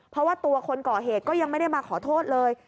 เพราะว่าตัวคนก่อเหตุก็ยังไม่ได้มาขอโทษเลย